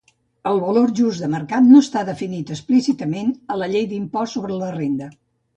El valor just de mercat no està definit explícitament a la Llei de l'Impost sobre la Renda.